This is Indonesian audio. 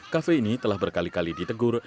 kafe ini telah berkali kali ditegur